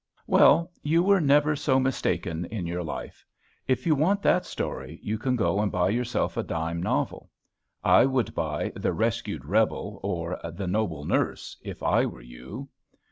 Well! you were never so mistaken in your life. If you want that story, you can go and buy yourself a dime novel. I would buy "The Rescued Rebel;" or, "The Noble Nurse," if I were you.